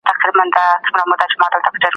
دا مجسمه له چا سره وه؟